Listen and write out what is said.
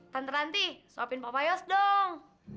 tante ranti suapin papa yos dong